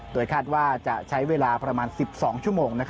โดยคาดว่าจะใช้เวลาประมาณ๑๒ชั่วโมง